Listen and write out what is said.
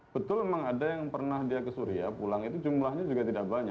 betul memang ada yang pernah dia ke suria pulang itu jumlahnya juga tidak banyak